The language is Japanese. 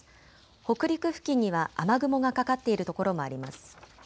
北陸付近には雨雲がかかっている所もあります。